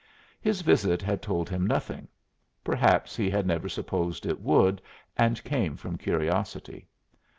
His visit had told him nothing; perhaps he had never supposed it would, and came from curiosity.